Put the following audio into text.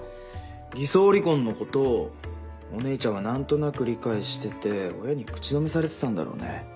偽装離婚のことお姉ちゃんは何となく理解してて親に口止めされてたんだろうね。